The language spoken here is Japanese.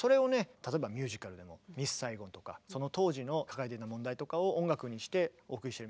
例えばミュージカルでも「ミス・サイゴン」とかその当時の抱えてた問題とかを音楽にしてお送りしてる。